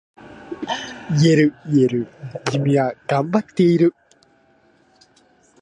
言える言える、君は頑張っている。